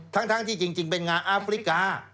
ทั้งที่จริงเป็นงานอาฟริกา